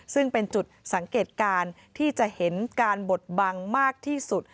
ซึ่งเป็นจุดสังเกตการณ์ที่จะเห็นการบดบังมากที่สุด